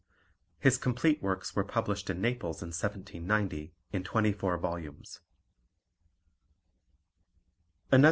His complete works were published in Naples in 1790, in twenty four volumes.